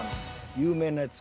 有名なやつ。